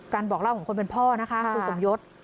บอกเล่าของคนเป็นพ่อนะคะคุณสมยศ